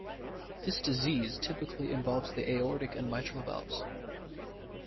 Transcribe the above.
This disease typically involves the aortic and mitral valves.